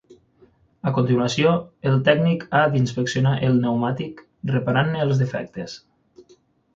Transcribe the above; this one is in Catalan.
A continuació, el tècnic ha d'inspeccionar el pneumàtic, reparant-ne els defectes.